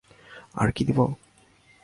আর কী দিব?